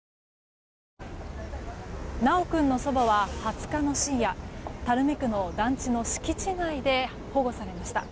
修君の祖母は２０日の深夜垂水区の団地の敷地内で保護されました。